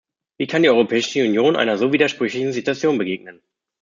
Wie kann die Europäische Union einer so widersprüchlichen Situation begegnen?